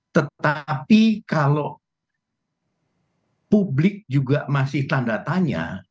tetapi kalau publik juga masih tanda tanya